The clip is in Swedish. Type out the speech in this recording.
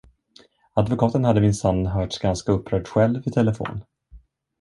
Advokaten hade minsann hörts ganska upprörd själv i telefon.